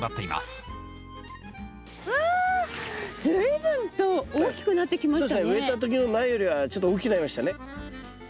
植えた時の苗よりはちょっと大きくなりましたね。